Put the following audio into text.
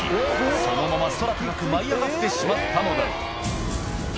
そのまま空高く舞い上がってしまったのだ